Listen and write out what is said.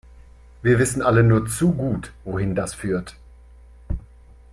Wir wissen alle nur zu gut, wohin das führt.